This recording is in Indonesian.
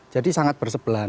jadi sangat bersebelahan